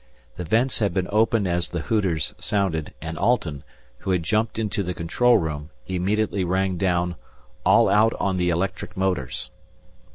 The vents had been opened as the hooters sounded, and Alten, who had jumped into the control room, immediately rang down, "All out on the electric motors."